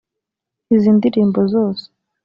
Izi ndirimbo zose